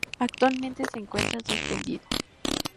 Actualmente se encuentra suspendido.